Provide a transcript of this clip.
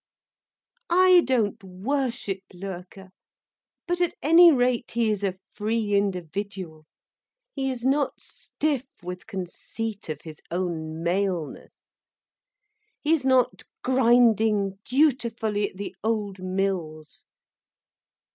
"I don't worship Loerke, but at any rate, he is a free individual. He is not stiff with conceit of his own maleness. He is not grinding dutifully at the old mills.